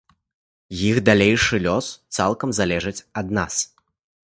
Іх далейшы лёс цалкам залежыць ад нас.